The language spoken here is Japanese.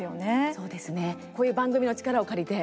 そうですねこういう番組の力を借りて。